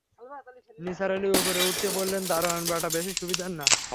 নিসার আলি উপরে উঠতে উঠতে বললেন, দারোয়ান ব্যাটা বেশি সুবিধার না।